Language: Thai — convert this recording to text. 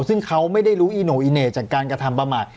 ซึ่งเขาไม่ได้รู้อีโน่อีเหน่จากการกระทำประมาท